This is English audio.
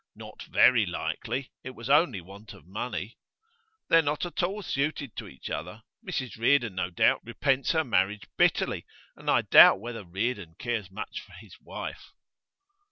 'Not very likely. It was only want of money.' 'They're not at all suited to each other. Mrs Reardon, no doubt, repents her marriage bitterly, and I doubt whether Reardon cares much for his wife.